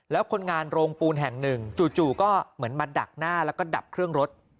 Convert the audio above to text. แล้วคนงานโรงปูนแห่งหนึ่งจู่ก็เหมือนมาดักหน้าแล้วก็ดับเครื่องรถ